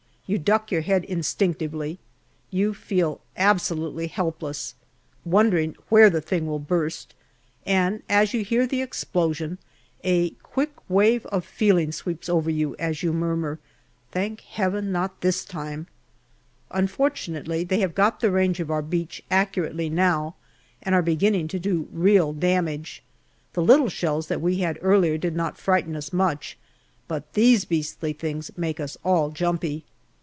You duck your head instinctively you feel absolutely helpless, wondering where the thing will burst, and as you hear the explosion a quick wave of feeling sweeps over you as you murmur, " Thank Heaven, not this time !" Unfortunately, they have got the range of our beach accurately now, and are beginning to do real damage. The little shells that we had earlier did not frighten us much, but these beastly things make us all jumpy.